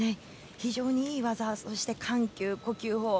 非常にいい技そして緩急、呼吸法。